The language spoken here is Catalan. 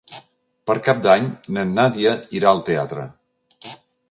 Per Cap d'Any na Nàdia irà al teatre.